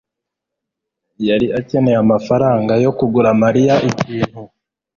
yari akeneye amafaranga yo kugura Mariya ikintu.